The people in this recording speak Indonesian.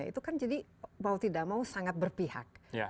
itu kan jadi mau tidak mau sangat berpihak